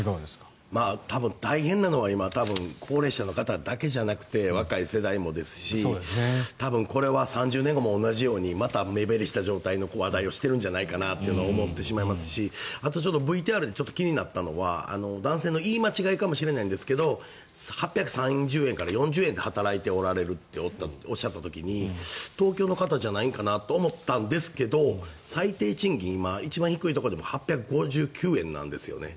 大変なのは今、多分高齢者の方だけじゃなくて若い人もですし多分これは３０年後も同じようにまた目減りした状態の話題をしているんじゃないかと思ってしまいますしあと、ＶＴＲで気になったのは男性の言い間違いかもしれないんですが８３０円から８４０円で働いておられるとおっしゃった時に東京の方じゃないんかなと思ったんですけど最低賃金、今一番低いところでも８５９円なんですね。